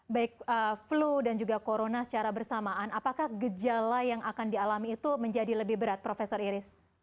baik flu dan juga corona secara bersamaan apakah gejala yang akan dialami itu menjadi lebih berat prof iris